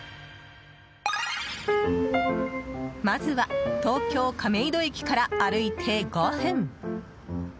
まずは東京・亀戸駅から歩いて５分。